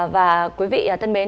và quý vị thân mến